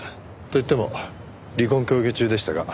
と言っても離婚協議中でしたが。